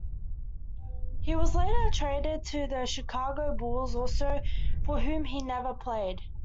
He was later traded to the Chicago Bulls, also for whom he never played.